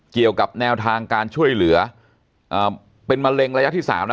เกี่ยวกับแนวทางการช่วยเหลือเป็นมะเร็งระยะที่๓นะ